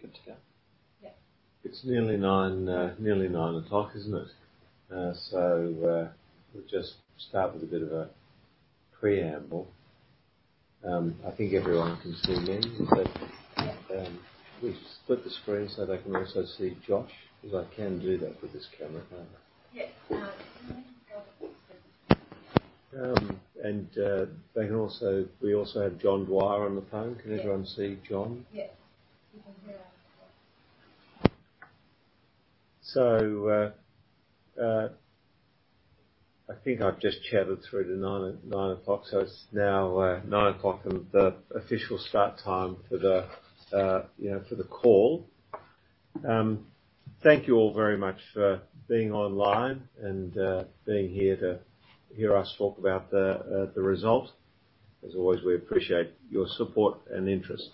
Good to go? Yeah. It's nearly nine, nearly 9 o'clock, isn't it? We'll just start with a bit of a preamble. I think everyone can see me, but, can we just split the screen so they can also see Josh? Because I can do that with this camera, can't I? Yeah. We also have John Dwyer on the phone. Yeah. Can everyone see John? Yes, you can hear us. I think I've just chatted through to nine, 9 o'clock, so it's now, 9 o'clock and the official start time for the, you know, for the call. Thank you all very much for being online and, being here to hear us talk about the, the results. As always, we appreciate your support and interest.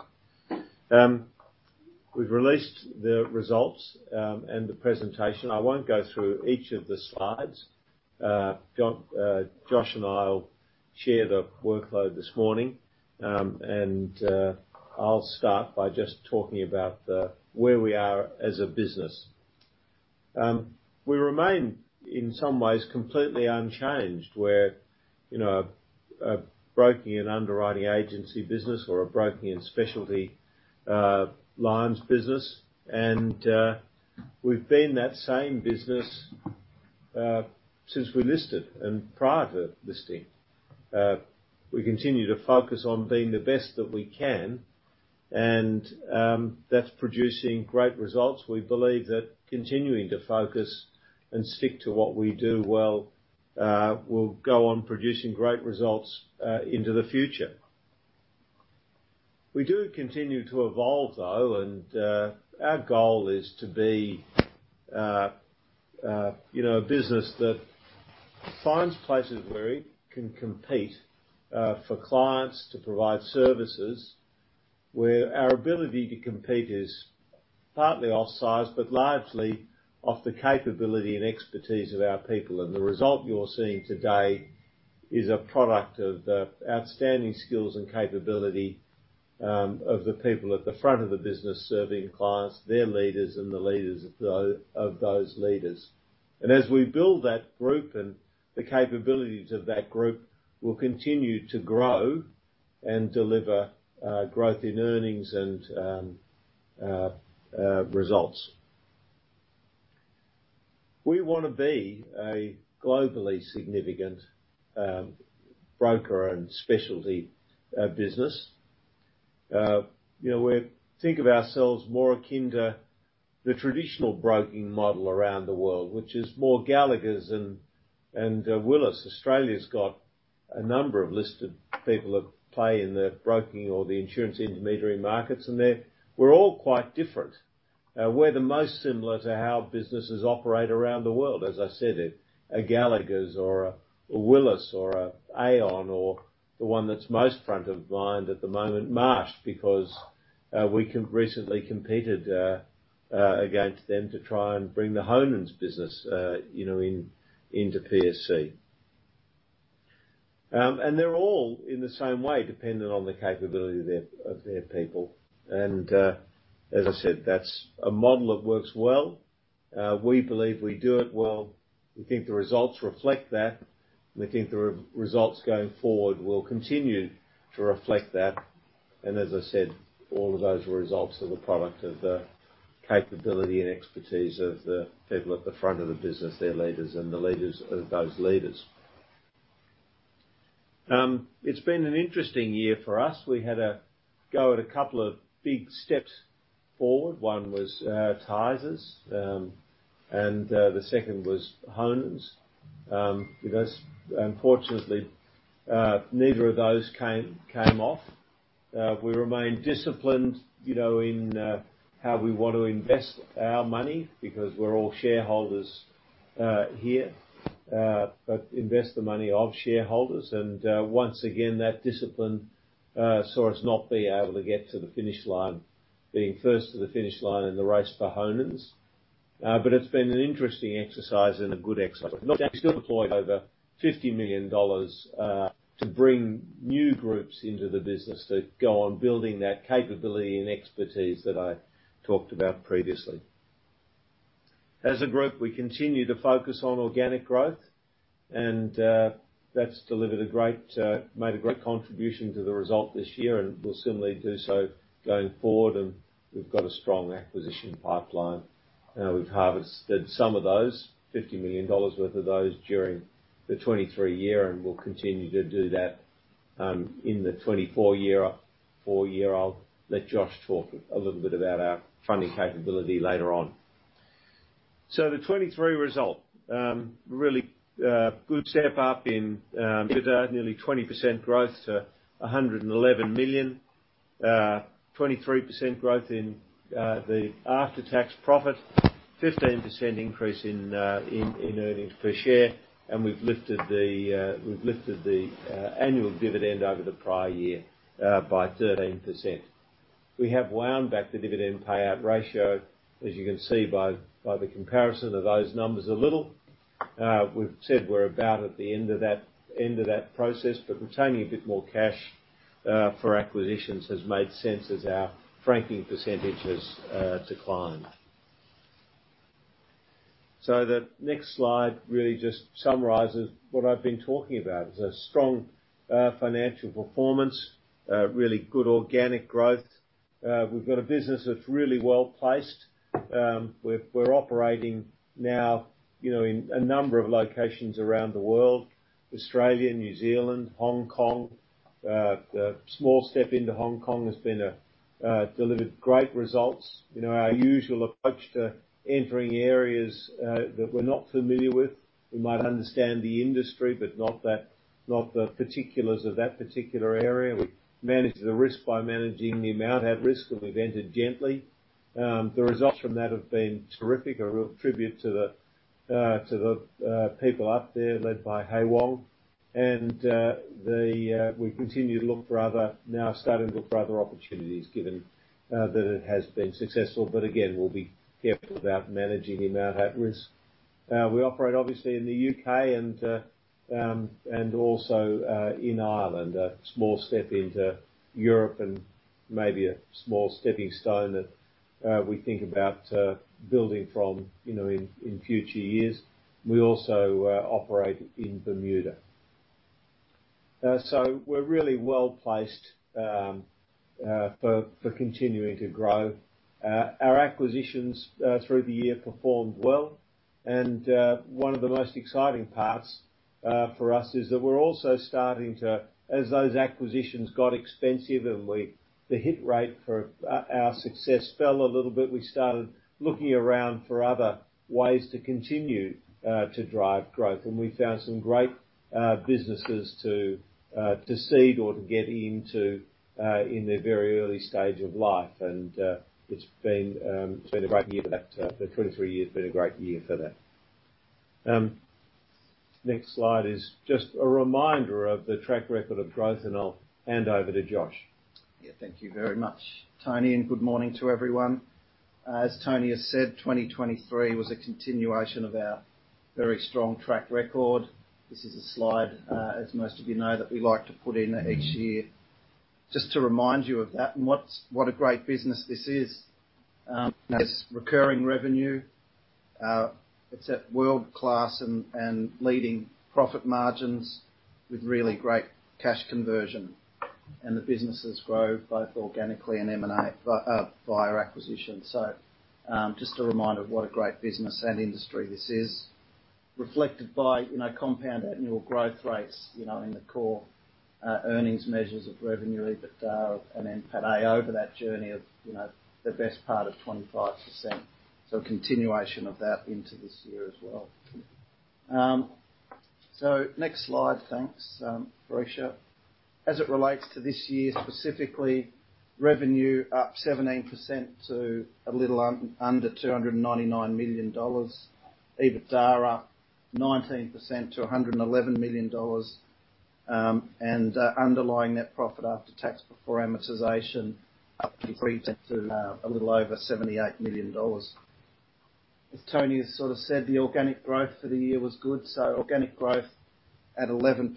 We've released the results, and the presentation. I won't go through each of the slides. John, Josh, and I will share the workload this morning. I'll start by just talking about the... where we are as a business. We remain, in some ways, completely unchanged, we're, you know, a, a broking and underwriting agency business or a broking and specialty, lines business. We've been that same business, since we listed and prior to listing. We continue to focus on being the best that we can, and that's producing great results. We believe that continuing to focus and stick to what we do well, will go on producing great results into the future. We do continue to evolve, though, and our goal is to be, you know, a business that finds places where it can compete for clients to provide services. Where our ability to compete is partly off size, but largely off the capability and expertise of our people, and the result you're seeing today is a product of the outstanding skills and capability of the people at the front of the business, serving clients, their leaders, and the leaders of tho- of those leaders. As we build that group and the capabilities of that group, we'll continue to grow and deliver growth in earnings and results. We wanna be a globally significant broker and specialty business. You know, we think of ourselves more akin to the traditional broking model around the world, which is more Gallagher and Willis. Australia's got a number of listed people that play in the broking or the insurance intermediary markets, we're all quite different. We're the most similar to how businesses operate around the world, as I said, a Gallagher or a Willis or an Aon, or the one that's most front of mind at the moment, Marsh, because we recently competed against them to try and bring the Honans business, you know, into PSC. They're all, in the same way, dependent on the capability of their, of their people. As I said, that's a model that works well. We believe we do it well. We think the results reflect that, and we think the results going forward will continue to reflect that. As I said, all of those results are the product of the capability and expertise of the people at the front of the business, their leaders and the leaders of those leaders. It's been an interesting year for us. We had a go at a couple of big steps forward. One was Tysers, and the second was Honans. Because unfortunately, neither of those came, came off. We remain disciplined, you know, in how we want to invest our money because we're all shareholders here, but invest the money of shareholders. Once again, that discipline saw us not being able to get to the finish line, being first to the finish line in the race for Honans. It's been an interesting exercise and a good exercise. We still deployed over $50 million to bring new groups into the business to go on building that capability and expertise that I talked about previously. As a group, we continue to focus on organic growth. That's delivered a great made a great contribution to the result this year and will similarly do so going forward. We've got a strong acquisition pipeline. We've harvested some of those, 50 million dollars worth of those, during the 2023 year, and we'll continue to do that in the 2024 year. I'll let Josh talk a little bit about our funding capability later on. The 2023 result, really good step up in EBITDA, nearly 20% growth to 111 million. 23% growth in the after-tax profit, 15% increase in earnings per share, and we've lifted the annual dividend over the prior year by 13%. We have wound back the dividend payout ratio, as you can see by the comparison of those numbers a little. We've said we're about at the end of that, end of that process, but retaining a bit more cash for acquisitions has made sense as our franking percentage has declined. The next slide really just summarizes what I've been talking about. It's a strong financial performance, really good organic growth. We've got a business that's really well-placed. We're operating now, you know, in a number of locations around the world, Australia, New Zealand, Hong Kong. The small step into Hong Kong has been a delivered great results. You know, our usual approach to entering areas that we're not familiar with. We might understand the industry, but not that, not the particulars of that particular area. We manage the risk by managing the amount at risk, and we've entered gently. The results from that have been terrific, a real tribute to the to the people up there, led by Hye-Won. We continue to look for other opportunities, given that it has been successful. Again, we'll be careful about managing the amount at risk. We operate obviously in the UK and and also in Ireland, a small step into Europe and maybe a small stepping stone that we think about building from, you know, in future years. We also operate in Bermuda. We're really well-placed for continuing to grow. Our acquisitions through the year performed well. One of the most exciting parts for us, is that we're also starting as those acquisitions got expensive and the hit rate for our success fell a little bit, we started looking around for other ways to continue to drive growth, and we found some great businesses to to seed or to get into in the very early stage of life. It's been a great year for that. The 23 year has been a great year for that. Next slide is just a reminder of the track record of growth, and I'll hand over to Josh. Yeah, thank you very much, Tony. Good morning to everyone. As Tony has said, 2023 was a continuation of our very strong track record. This is a slide, as most of you know, that we like to put in each year, just to remind you of that and what a great business this is. It's recurring revenue. It's at world-class and leading profit margins with really great cash conversion. The businesses grow both organically and M&A via acquisition. Just a reminder of what a great business and industry this is, reflected by, you know, compound annual growth rates, you know, in the core earnings measures of revenue, EBITDA, and then NPATA over that journey of, you know, the best part of 25%. A continuation of that into this year as well. Next slide. Thanks, Felicia. As it relates to this year, specifically, revenue up 17% to a little under $299 million. EBITDA up 19% to $111 million, and underlying net profit after tax before amortization, up 30% to a little over $78 million. As Tony has sort of said, the organic growth for the year was good, so organic growth at 11%,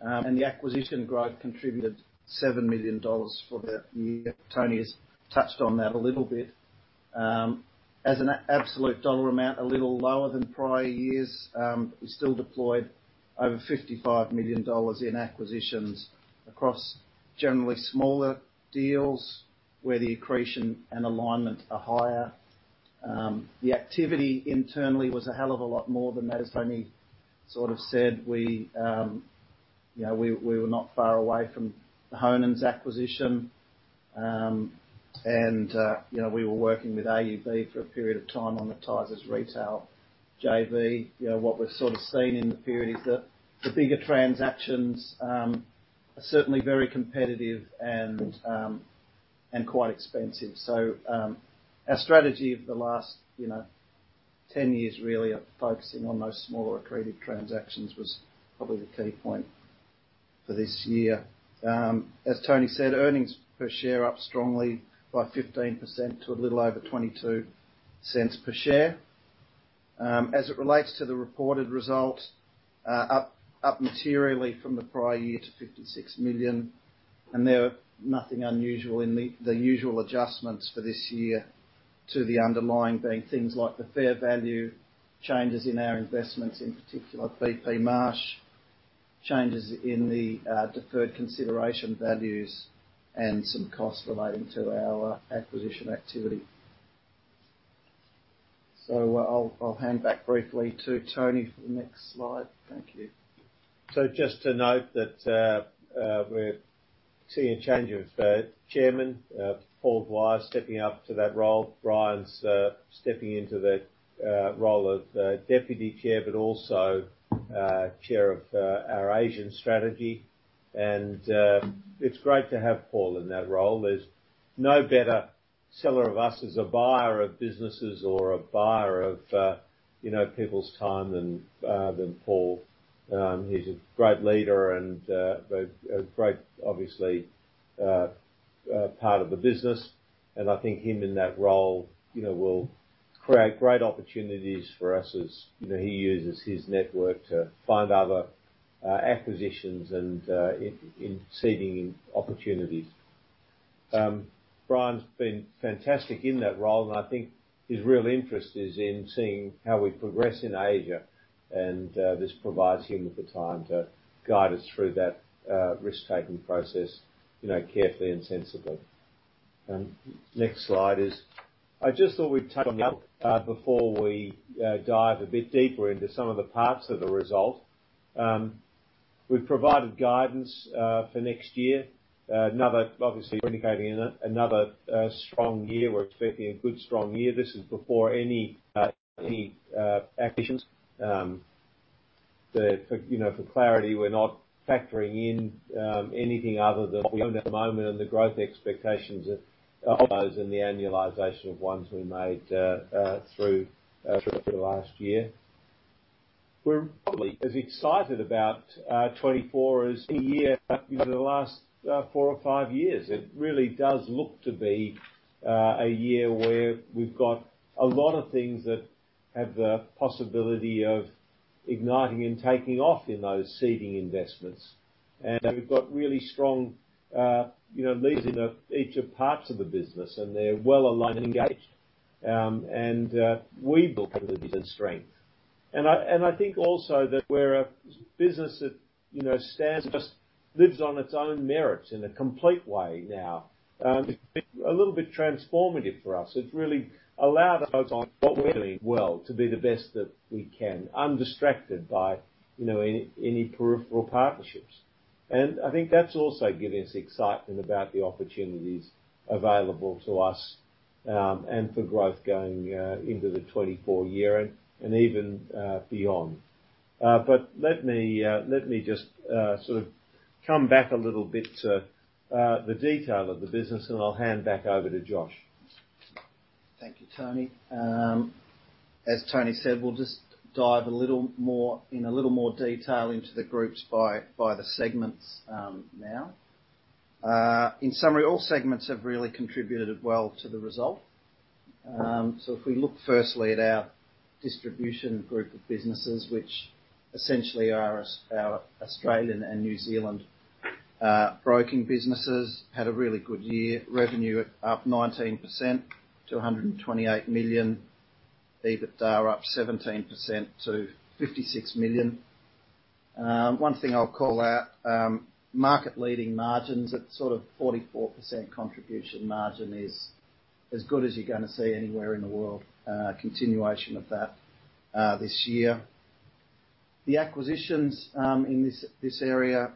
and the acquisition growth contributed $7 million for the year. Tony has touched on that a little bit. As an absolute dollar amount, a little lower than prior years, we still deployed over $55 million in acquisitions across generally smaller deals where the accretion and alignment are higher. The activity internally was a hell of a lot more than that. As Tony sort of said, we, you know, we, we were not far away from the Honan's acquisition. We were working with AUB for a period of time on the Tysers' retail JV. You know, what we've sort of seen in the period is that the bigger transactions are certainly very competitive and quite expensive. Our strategy of the last, you know, 10 years, really, of focusing on those smaller accretive transactions was probably the key point for this year. As Tony said, earnings per share up strongly by 15% to a little over 0.22 per share. As it relates to the reported result, up, up materially from the prior year to 56 million. There are nothing unusual in the, the usual adjustments for this year to the underlying, being things like the fair value changes in our investments, in particular, B.P. Marsh, changes in the deferred consideration values, and some costs relating to our acquisition activity. I'll, I'll hand back briefly to Tony for the next slide. Thank you. Just to note that we're seeing a change of chairman, Paul Dwyer, stepping up to that role. Brian's stepping into the role of deputy chair, but also chair of our Asian strategy. It's great to have Paul in that role. There's no better seller of us as a buyer of businesses or a buyer of, you know, people's time than than Paul. He's a great leader and a great, obviously, part of the business. I think him in that role, you know, will create great opportunities for us as, you know, he uses his network to find other acquisitions and in seeding opportunities. Brian's been fantastic in that role, and I think his real interest is in seeing how we progress in Asia, and this provides him with the time to guide us through that risk-taking process, you know, carefully and sensibly. Next slide is: I just thought we'd touch on the up before we dive a bit deeper into some of the parts of the result. We've provided guidance for next year. Another, obviously, indicating another strong year. We're expecting a good, strong year. This is before any any acquisitions. You know, for clarity, we're not factoring in anything other than what we own at the moment and the growth expectations of those in the annualization of ones we made through the last year. We're probably as excited about 2024 as any year, you know, the last four or five years. It really does look to be a year where we've got a lot of things that have the possibility of igniting and taking off in those seeding investments. We've got really strong, you know, leads in each of parts of the business, and they're well aligned and engaged. We've built capabilities and strength. I think also that we're a business that, you know, stands just lives on its own merits in a complete way now. It's been a little bit transformative for us. It's really allowed us on what we're doing well to be the best that we can, undistracted by, you know, any, any peripheral partnerships. I think that's also giving us excitement about the opportunities available to us, and for growth going into the 2024 year and, and even beyond. Let me, let me just, sort of come back a little bit to the detail of the business, and I'll hand back over to Josh. Thank you, Tony. As Tony said, we'll just dive a little more, in a little more detail into the groups by, by the segments, now. In summary, all segments have really contributed well to the result. If we look firstly at our distribution group of businesses, which essentially are us- our Australian and New Zealand broking businesses, had a really good year. Revenue up 19% to 128 million. EBITA are up 17% to 56 million. One thing I'll call out, market-leading margins at sort of 44% contribution margin is as good as you're gonna see anywhere in the world. Continuation of that this year. The acquisitions in this, this area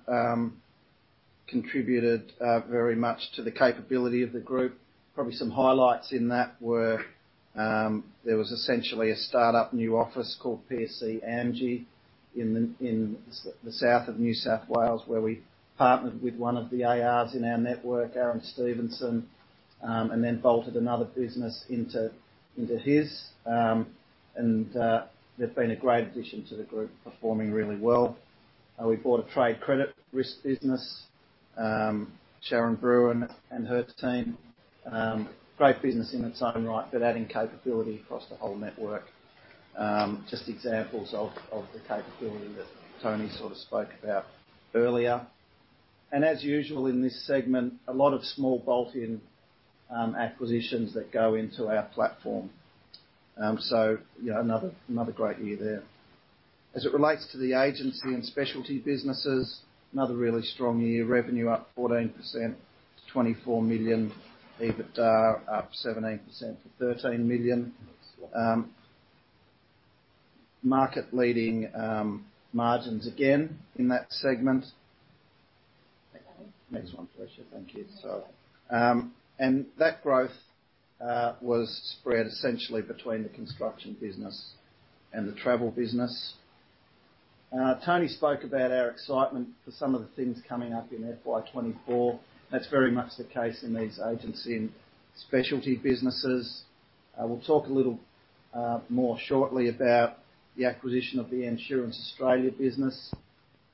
contributed very much to the capability of the group. Probably some highlights in that were, there was essentially a startup new office called PSC AMG in the, in the South of New South Wales, where we partnered with one of the ARs in our network, Aaron Stephenson, and then bolted another business into, into his. They've been a great addition to the group, performing really well. We bought a trade credit risk business, Sharon Brewin and her team. Great business in its own right, but adding capability across the whole network. Just examples of the capability that Tony sort of spoke about earlier. As usual, in this segment, a lot of small bolt-in acquisitions that go into our platform. Yeah, another, another great year there. As it relates to the agency and specialty businesses, another really strong year. Revenue up 14% to 24 million. EBITA, up 17% to 13 million. Market-leading margins again in that segment. Next one, pleasure. Thank you. That growth was spread essentially between the construction business and the travel business. Tony spoke about our excitement for some of the things coming up in FY24. That's very much the case in these agency and specialty businesses. We'll talk a little more shortly about the acquisition of the Insurance Australia business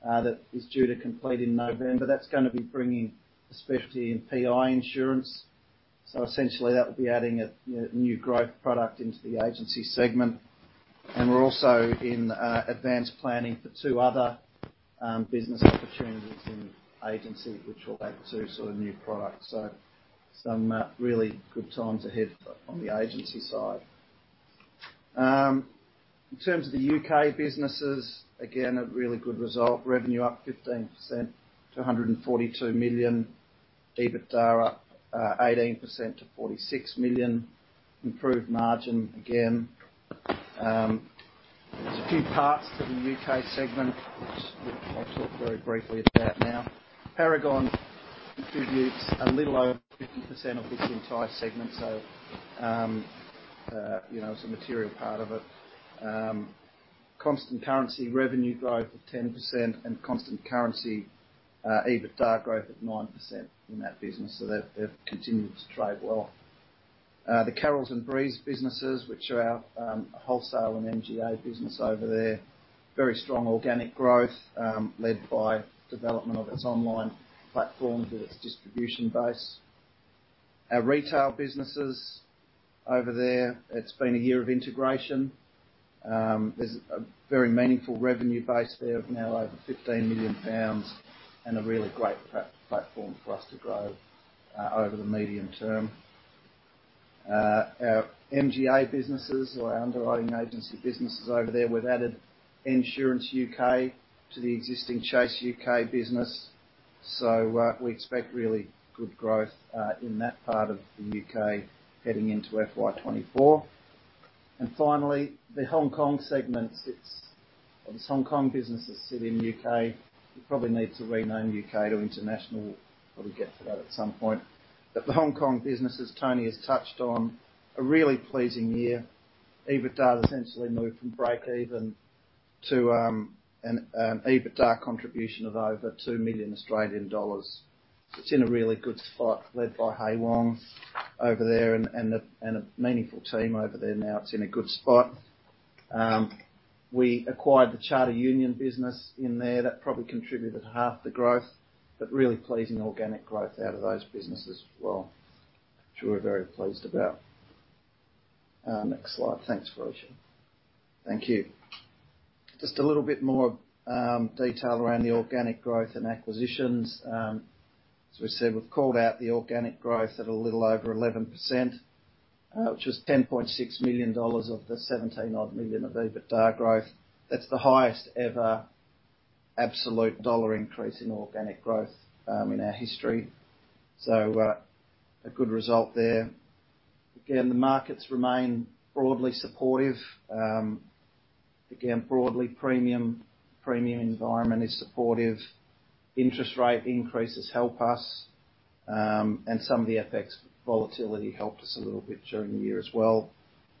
that is due to complete in November. That's gonna be bringing, especially in PI insurance. Essentially, that would be adding a, a new growth product into the agency segment. We're also in advanced planning for two other business opportunities in agency, which will add to sort of new products. Some really good times ahead on the agency side. In terms of the UK businesses, again, a really good result. Revenue up 15% to 142 million. EBITA are up 18% to 46 million. Improved margin, again. There's a few parts to the UK segment, which I'll talk very briefly about now. Paragon contributes a little over 50% of this entire segment, so, you know, it's a material part of it. Constant currency revenue growth of 10% and constant currency EBITA growth of 9% in that business, so they've, they've continued to trade well.... The Carrolls and Breeze businesses, which are our wholesale and MGA business over there, very strong organic growth, led by development of its online platform with its distribution base. Our retail businesses over there, it's been a year of integration. There's a very meaningful revenue base there of now over 15 million pounds and a really great platform for us to grow over the medium term. Our MGA businesses or our underwriting agency businesses over there, we've added Ensurance UK to the existing Chase UK business. We expect really good growth in that part of the UK heading into FY24. Finally, the Hong Kong segment sits. Well, these Hong Kong businesses sit in the UK. We probably need to rename UK to international. Probably get to that at some point. The Hong Kong businesses, Tony has touched on, a really pleasing year. EBITDA essentially moved from break even to an EBITDA contribution of over AUD 2 million. It's in a really good spot, led by Hye-Won Interest rate increases help us, and some of the FX volatility helped us a little bit during the year as well.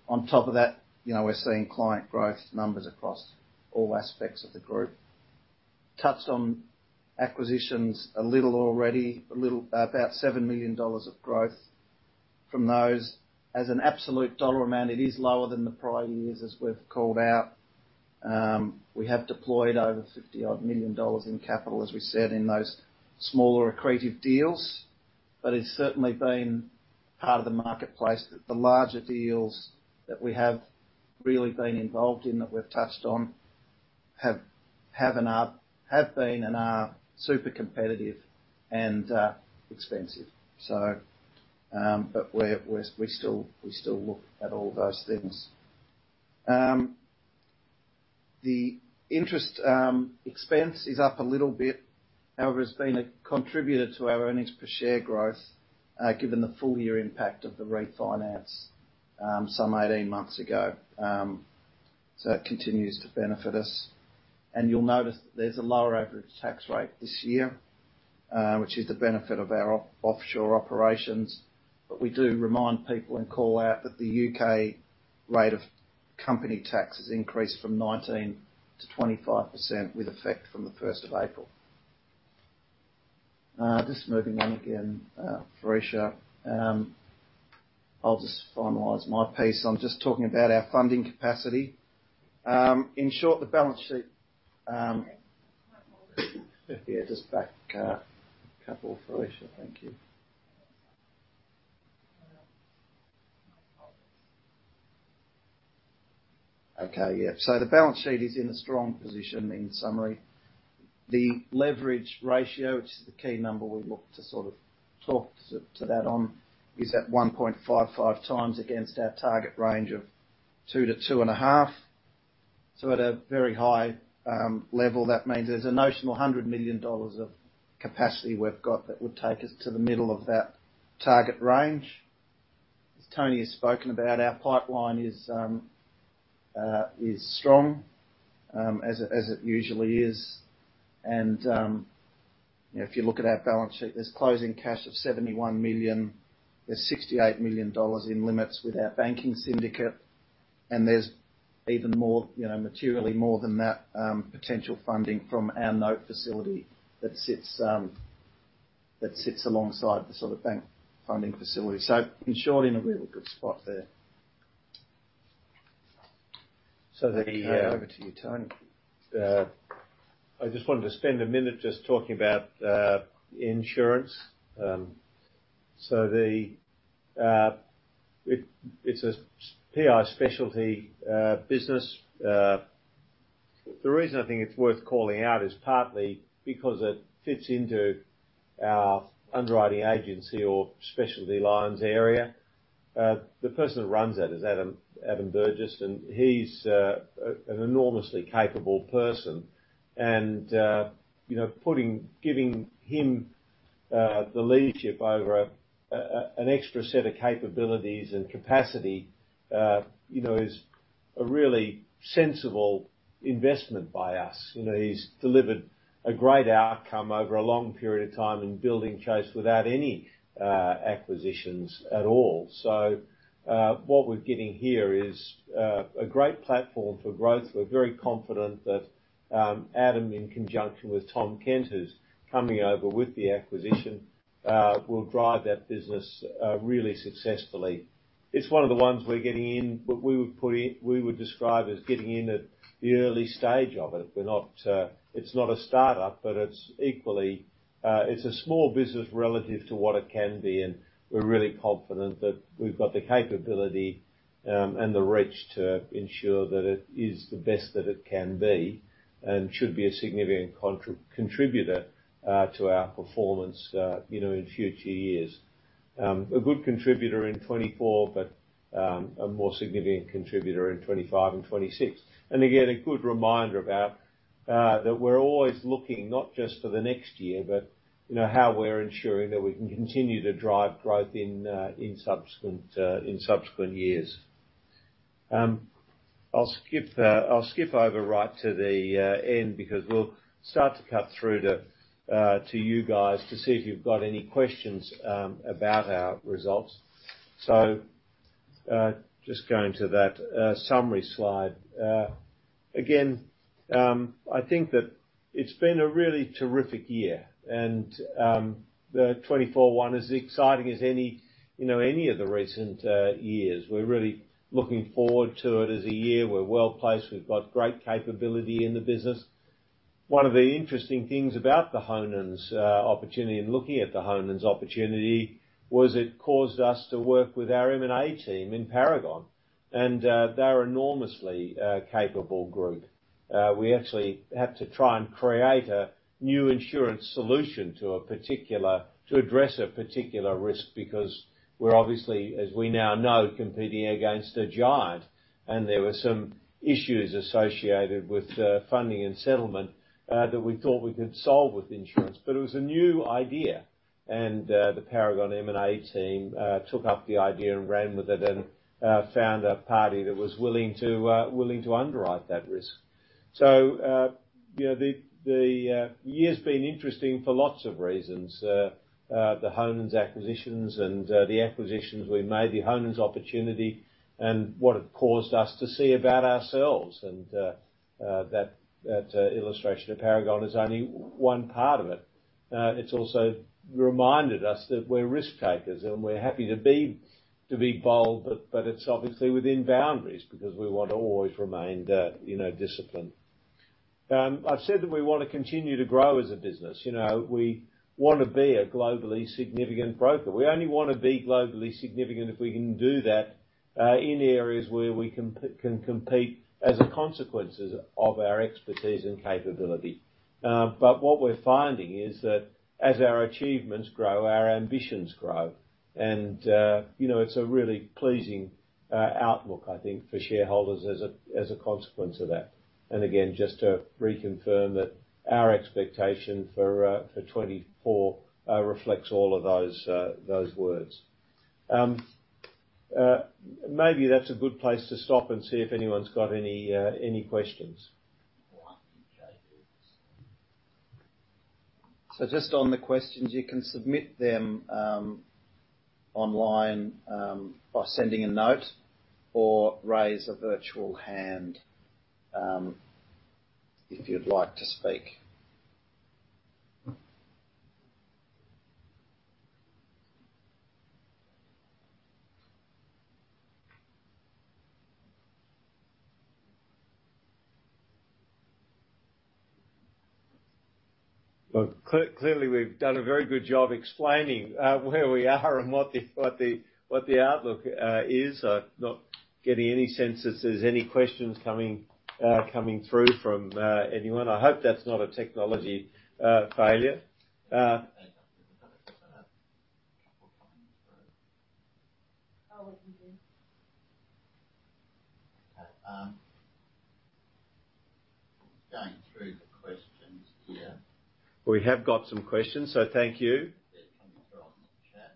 On top of that, you know, we're seeing client growth numbers across all aspects of the group. Touched on acquisitions a little already, about 7 million dollars of growth from those. As an absolute dollar amount, it is lower than the prior years, as we've called out. We have deployed over 50 odd million in capital, as we said, in those smaller accretive deals, but it's certainly been part of the marketplace that the larger deals that we have really been involved in, that we've touched on, have been and are super competitive and expensive. But we still, we still look at all those things. The interest expense is up a little bit. However, it's been a contributor to our earnings per share growth, given the full year impact of the refinance, some 18 months ago. It continues to benefit us. You'll notice that there's a lower average tax rate this year, which is the benefit of our offshore operations. We do remind people and call out that the UK rate of company tax has increased from 19% to 25%, with effect from the 1st of April. Just moving on again, Felicia. I'll just finalize my piece. I'm just talking about our funding capacity. In short, the balance sheet, One more. Yeah, just back a couple, Felicia. Thank you. Okay, yeah. The balance sheet is in a strong position in summary. The leverage ratio, which is the key number we look to sort of talk to, to that on, is at 1.55 times against our target range of two-two and half times. At a very high level, that means there's a notional 100 million dollars of capacity we've got that would take us to the middle of that target range. As Tony has spoken about, our pipeline is strong as it usually is. You know, if you look at our balance sheet, there's closing cash of 71 million. There's 68 million dollars in limits with our banking syndicate, and there's even more, you know, materially more than that, potential funding from our note facility that sits, that sits alongside the sort of bank funding facility. In short, in a really good spot there. The- Okay. Over to you, Tony. I just wanted to spend a minute just talking about insurance. The, it, it's a PI specialty business. The reason I think it's worth calling out is partly because it fits into our underwriting agency or specialty lines area. The person that runs that is Adam, Adam Burgess, and he's an enormously capable person. You know, giving him the leadership over an extra set of capabilities and capacity, you know, is a really sensible investment by us. You know, he's delivered a great outcome over a long period of time in building Chase without any acquisitions at all. What we're getting here is a great platform for growth. We're very confident that Adam Burgess, in conjunction with Tom Kenter, who's coming over with the acquisition, will drive that business really successfully. It's one of the ones we're getting in, but we would describe as getting in at the early stage of it. We're not, it's not a startup, but it's equally, it's a small business relative to what it can be, and we're really confident that we've got the capability and the reach to ensure that it is the best that it can be, and should be a significant contributor to our performance, you know, in future years. A good contributor in 2024, but a more significant contributor in 2025 and 2026. Again, a good reminder about that we're always looking not just for the next year, but you know, how we're ensuring that we can continue to drive growth in subsequent in subsequent years. I'll skip I'll skip over right to the end because we'll start to cut through to to you guys to see if you've got any questions about our results. Just going to that summary slide. Again, I think that it's been a really terrific year, and the 24 one is as exciting as any, you know, any of the recent years. We're really looking forward to it as a year. We're well placed. We've got great capability in the business. One of the interesting things about the Honan's opportunity and looking at the Honan's opportunity, was it caused us to work with our M&A team in Paragon, and they're an enormously capable group. We actually had to try and create a new insurance solution to a particular, to address a particular risk, because we're obviously, as we now know, competing against a giant. There were some issues associated with funding and settlement that we thought we could solve with insurance. It was a new idea, and the Paragon M&A team took up the idea and ran with it and found a party that was willing to willing to underwrite that risk. You know, the year's been interesting for lots of reasons. The Honan's acquisitions and the acquisitions we made, the Honan's opportunity and what it caused us to see about ourselves, that, that illustration of Paragon is only one part of it. It's also reminded us that we're risk takers, and we're happy to be, to be bold, but, but it's obviously within boundaries because we want to always remain, you know, disciplined. I've said that we want to continue to grow as a business. You know, we want to be a globally significant broker. We only want to be globally significant if we can do that in areas where we can compete as a consequences of our expertise and capability. What we're finding is that as our achievements grow, our ambitions grow, you know, it's a really pleasing outlook, I think, for shareholders as a consequence of that. Again, just to reconfirm that our expectation for 2024 reflects all of those words. Maybe that's a good place to stop and see if anyone's got any questions. Just on the questions, you can submit them online by sending a note or raise a virtual hand if you'd like to speak. Well, clearly, we've done a very good job explaining, where we are and what the, what the, what the outlook is. Not getting any sense that there's any questions coming through from anyone. I hope that's not a technology failure. I'll let you do. Going through the questions here. We have got some questions, so thank you. They're coming through on the chat.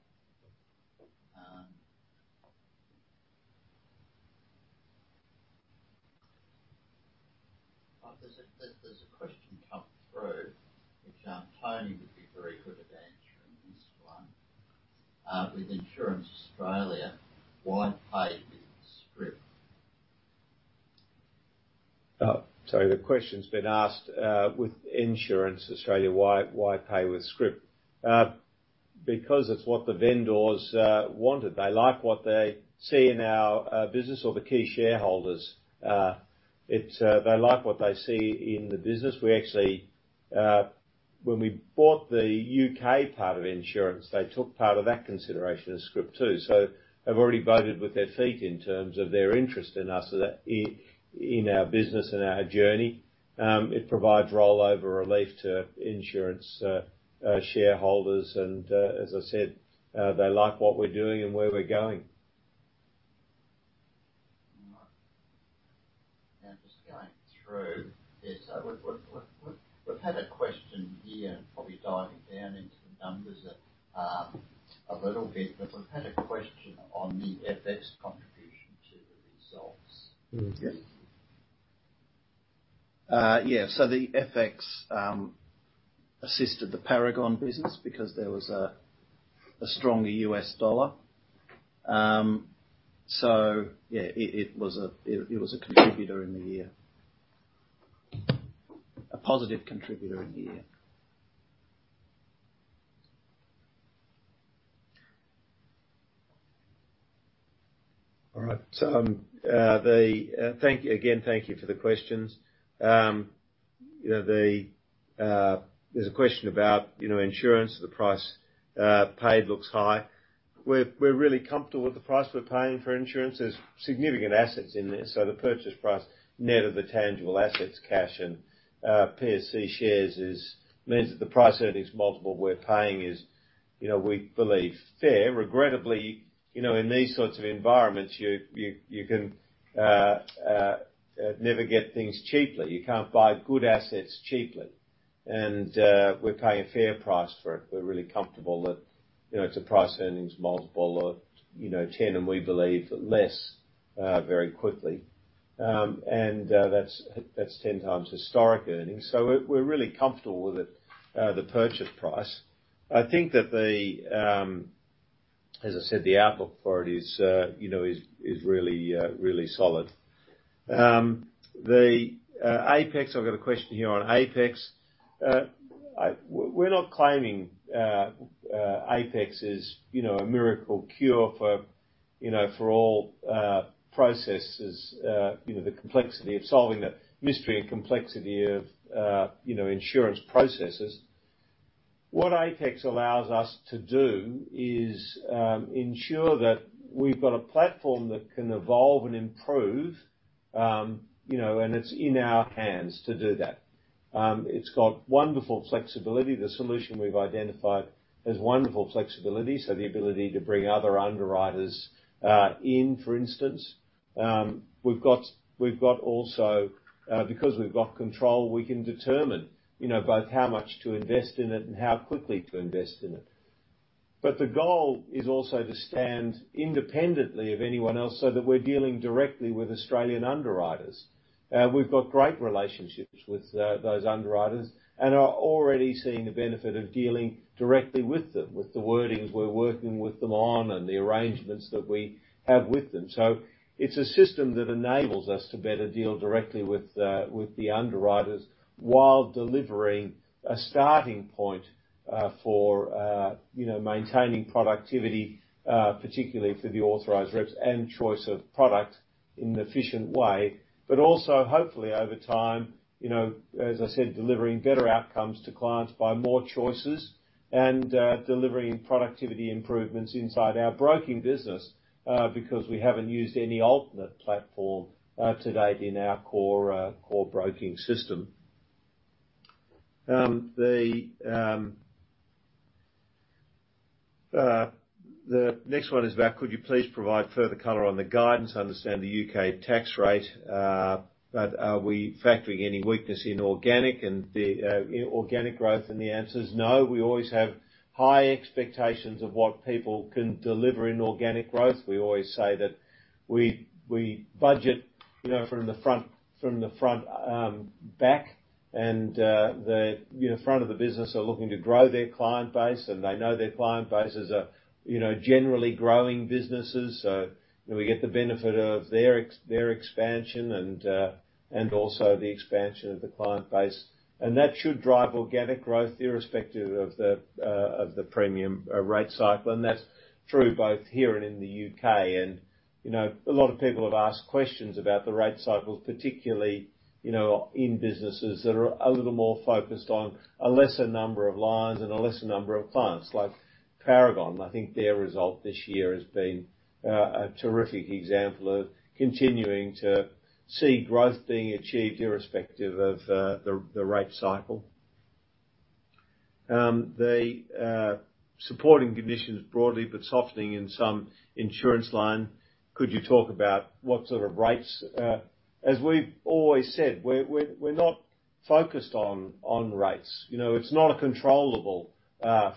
There's a question come through, which Tony would be very good at answering this one. With Insurance Australia, why pay with scrip? Oh, sorry. The question's been asked, with Insurance Australia Group, why, why pay with scrip? Because it's what the vendors wanted. They like what they see in our business or the key shareholders. It's, they like what they see in the business. We actually, when we bought the UK part of insurance, they took part of that consideration as scrip, too. They've already voted with their feet in terms of their interest in us, so that in, in our business and our journey, it provides rollover relief to insurance shareholders. As I said, they like what we're doing and where we're going. Mm-hmm. Just going through. Yes, we've had a question here, and probably diving down into the numbers a little bit, but we've had a question on the FX contribution to the results. Mm-hmm. Yeah. The FX assisted the Paragon business because there was a stronger US dollar. Yeah, it was a contributor in the year.... a positive contributor in the year. All right, the, thank you again, thank you for the questions. You know, the, there's a question about, you know, insurance, the price, paid looks high. We're, we're really comfortable with the price we're paying for insurance. There's significant assets in there, so the purchase price net of the tangible assets, cash, and PSC shares is- means that the price earnings multiple we're paying is, you know, we believe fair. Regrettably, you know, in these sorts of environments, you, you, you can never get things cheaply. You can't buy good assets cheaply. We're paying a fair price for it. We're really comfortable that, you know, it's a price earnings multiple of, you know, 10, and we believe less, very quickly. That's, that's 10 times historic earnings. We're, we're really comfortable with it, the purchase price. I think that the, as I said, the outlook for it is, you know, is, is really, really solid. The Apex, I've got a question here on Apex. We're not claiming Apex is, you know, a miracle cure for, you know, for all processes, you know, the complexity of solving the mystery and complexity of, you know, insurance processes. What Apex allows us to do is ensure that we've got a platform that can evolve and improve, you know, and it's in our hands to do that. It's got wonderful flexibility. The solution we've identified has wonderful flexibility, so the ability to bring other underwriters in, for instance. We've got, we've got also... Because we've got control, we can determine, you know, both how much to invest in it and how quickly to invest in it. The goal is also to stand independently of anyone else, so that we're dealing directly with Australian underwriters. We've got great relationships with those underwriters and are already seeing the benefit of dealing directly with them, with the wordings we're working with them on and the arrangements that we have with them. It's a system that enables us to better deal directly with the underwriters, while delivering a starting point for, you know, maintaining productivity, particularly for the authorized representatives and choice of product in an efficient way. Also, hopefully, over time, you know, as I said, delivering better outcomes to clients by more choices and delivering productivity improvements inside our broking business because we haven't used any alternate platform to date in our core core broking system. The next one is about: Could you please provide further color on the guidance to understand the UK tax rate? Are we factoring any weakness in organic and the organic growth? The answer is no. We always have high expectations of what people can deliver in organic growth. We always say that we, we budget, you know, from the front, from the front back, the front of the business are looking to grow their client base, and they know their client base is a, you know, generally growing businesses. We get the benefit of their expansion and also the expansion of the client base. That should drive organic growth, irrespective of the premium rate cycle. That's true both here and in the UK. You know, a lot of people have asked questions about the rate cycle, particularly, you know, in businesses that are a little more focused on a lesser number of lines and a lesser number of clients, like Paragon. I think their result this year has been a terrific example of continuing to see growth being achieved, irrespective of the rate cycle. The supporting conditions broadly, but softening in some insurance line. Could you talk about what sort of rates? As we've always said, we're, we're, we're not focused on rates. You know, it's not a controllable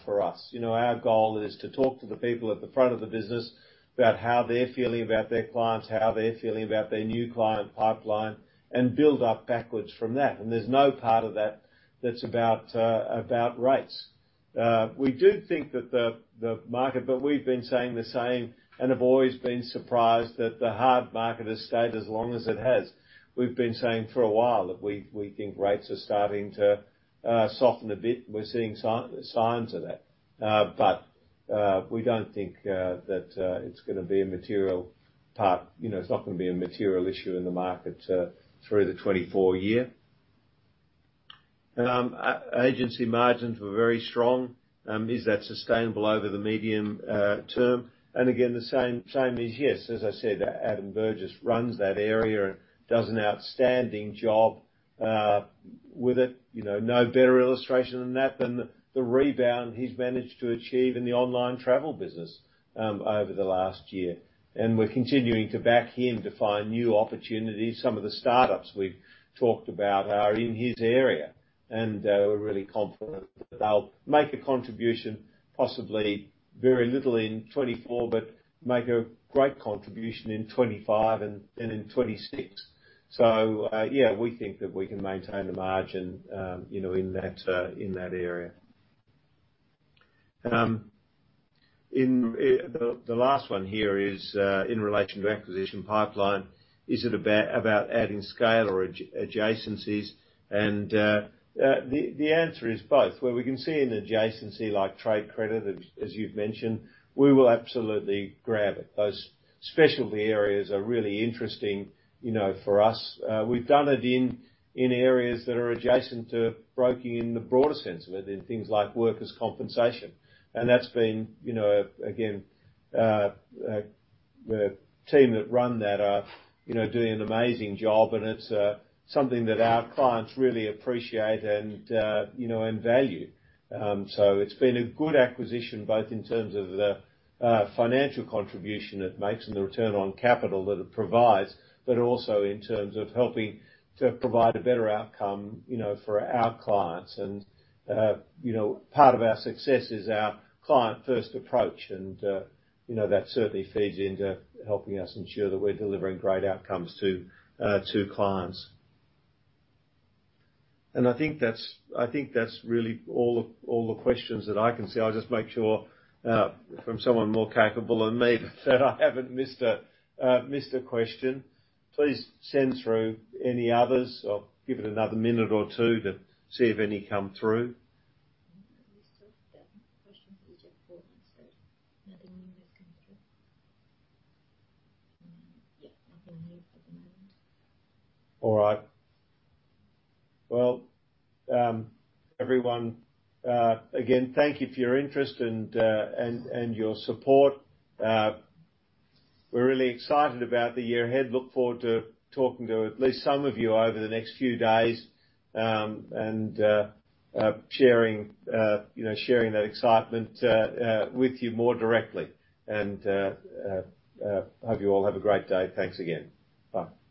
for us. You know, our goal is to talk to the people at the front of the business about how they're feeling about their clients, how they're feeling about their new client pipeline, and build up backwards from that. There's no part of that, that's about about rates. We do think that the, the market. We've been saying the same, and have always been surprised that the hard market has stayed as long as it has. We've been saying for a while that we, we think rates are starting to soften a bit. We're seeing signs of that. We don't think that it's gonna be a material part, you know, it's not gonna be a material issue in the market through the 2024 year. Agency margins were very strong. Is that sustainable over the medium term? Again, the same, same is yes. As I said, Adam Burgess runs that area and does an outstanding job with it. You know, no better illustration than that, than the, the rebound he's managed to achieve in the online travel business over the last year. We're continuing to back him to find new opportunities. Some of the startups we've talked about are in his area, and we're really confident that they'll make a contribution, possibly very little in 2024, but make a great contribution in 2025 and, and in 2026. Yeah, we think that we can maintain the margin, you know, in that in that area. In the last one here is in relation to acquisition pipeline. Is it about, about adding scale or adja- adjacencies? The, the answer is both. Where we can see an adjacency like trade credit, as, as you've mentioned, we will absolutely grab it. Those specialty areas are really interesting, you know, for us. We've done it in, in areas that are adjacent to broking in the broader sense of it, in things like workers' compensation. That's been, you know, again, the team that run that are, you know, doing an amazing job, and it's something that our clients really appreciate and, you know, and value. So it's been a good acquisition, both in terms of the financial contribution it makes and the return on capital that it provides, but also in terms of helping to provide a better outcome, you know, for our clients. You know, part of our success is our client-first approach, and, you know, that certainly feeds into helping us ensure that we're delivering great outcomes to clients. I think that's, I think that's really all the, all the questions that I can see. I'll just make sure from someone more capable than me, that I haven't missed a question. Please send through any others. I'll give it another minute or two to see if any come through. The list of the questions is just four answers. Nothing new has come through. Yeah, nothing new for the moment. All right. Well, everyone, again, thank you for your interest and, and, and your support. We're really excited about the year ahead. Look forward to talking to at least some of you over the next few days, and sharing, you know, sharing that excitement with you more directly. Hope you all have a great day. Thanks again. Bye.